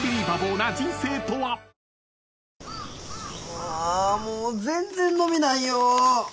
あもう全然伸びないよ。